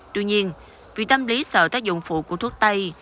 tuy nhiên vì tâm lý sợ tác dụng phụ của thuốc tay